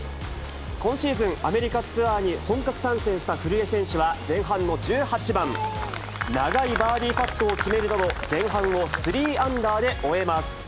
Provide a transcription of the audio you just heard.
今シーズン、アメリカツアーに本格参戦した古江選手は、前半の１８番、長いバーディーパットを決めるなど、前半を３アンダーで終えます。